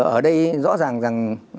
ở đây rõ ràng rằng